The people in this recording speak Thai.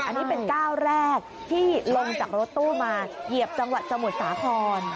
อันนี้เป็นก้าวแรกที่ลงจากรถตู้มาเหยียบจังหวัดสมุทรสาคร